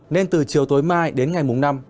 nên từ chiều tối mai đến ngày mùng năm